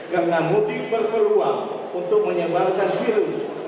karena mudik berperuang untuk menyebarkan virus